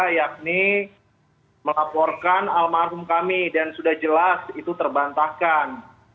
yakni melaporkan almarhum kami dan sudah jelas itu terbantahkan